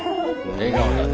笑顔だね。